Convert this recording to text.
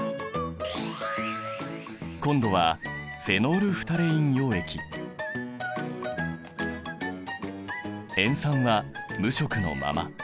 今度は塩酸は無色のまま。